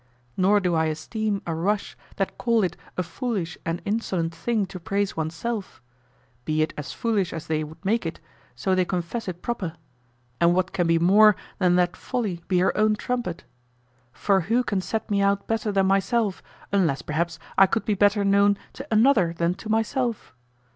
Nor do I esteem a rush that call it a foolish and insolent thing to praise one's self. Be it as foolish as they would make it, so they confess it proper: and what can be more than that Folly be her own trumpet? For who can set me out better than myself, unless perhaps I could be better known to another than to myself?